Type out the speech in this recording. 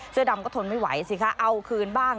เสื้อดำก็ทนไม่ไหวสิคะเอาคืนบ้าง